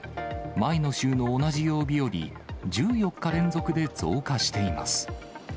前の週の同じ曜日より１４日連続で増加しています。